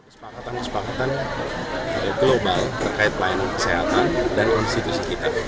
sepakatan sepakatan global terkait layanan kesehatan dan konstitusi kita